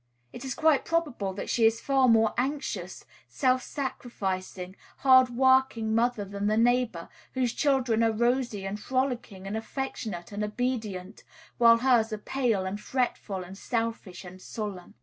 It is quite probable that she is a far more anxious, self sacrificing, hard working mother than the neighbor, whose children are rosy and frolicking and affectionate and obedient; while hers are pale and fretful and selfish and sullen.